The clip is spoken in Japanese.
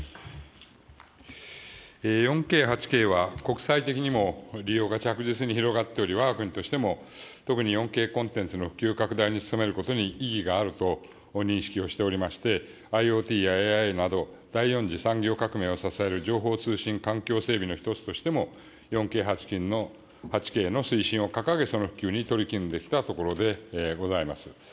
４Ｋ８Ｋは国際的にも利用が着実に広がっており、わが国としても、特に４Ｋコンテンツの普及拡大に努めることに意義があると認識をしておりまして、ＩｏＴやＡＩなど、第４次産業革命を支える情報通信環境整備の一つとしても、４Ｋ８Ｋの推進を掲げ、その普及に取り組んできたところでございます。